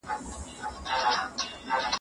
حقوقو پوهنځۍ په ناسمه توګه نه رهبري کیږي.